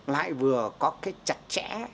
lại vừa có cái chặt chẽ